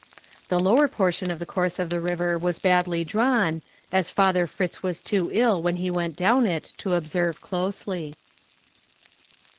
The lower portion of the course of the river was badly drawn, as Father Fritz was too ill when he went down it to observe closely.